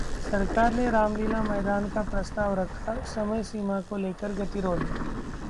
सरकार ने रामलीला मैदान का प्रस्ताव रखा, समय सीमा को लेकर गतिरोध